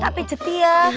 tak pejeti ya